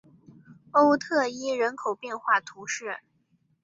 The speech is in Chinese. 欧特伊人口变化图示